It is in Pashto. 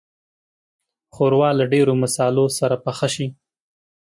ښوروا له ډېرو مصالحو سره پخه شي.